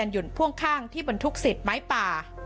สักระยันหยุ่นพ่วงข้างที่บรรทุกเศษไม้ป่า